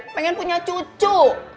pengen punya cucu